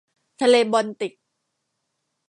ทะเลบอลติก